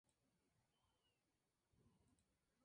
El suelo interior es casi plano y nivelado en el lado occidental.